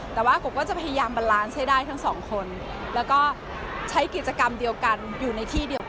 แต่ว่าผมก็จะพยายามบันลานซ์ให้ได้ทั้งสองคนแล้วก็ใช้กิจกรรมเดียวกันอยู่ในที่เดียวกัน